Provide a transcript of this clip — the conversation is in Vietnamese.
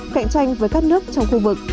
cạnh tranh với các nước trong khu vực